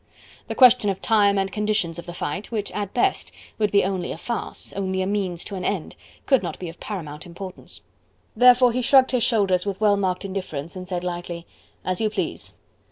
The question of time and conditions of the fight, which at best would be only a farce only a means to an end could not be of paramount importance. Therefore he shrugged his shoulders with well marked indifference, and said lightly: "As you please."